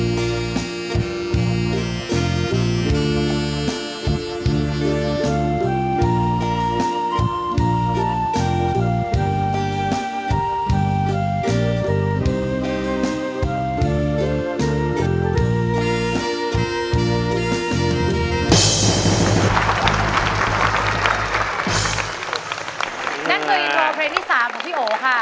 แน็ตเกอร์อินโทรเพลงที่๓ของพี่โอค่ะ